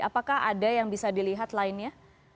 apakah ada yang bisa dilihat lainnya